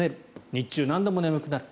日中何度も眠くなる。